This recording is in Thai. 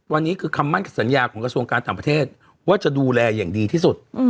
วันนี้คือคำมั่นสัญญาของกระทรวงการต่างประเทศว่าจะดูแลอย่างดีที่สุด